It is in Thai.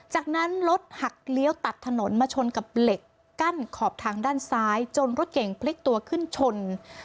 จากนั้นรถหักเลี้ยวตัดถนนมาชนกับเหล็กกั้นขอบทางด้านซ้ายจนรถเก่งพลิกตัวขึ้นชน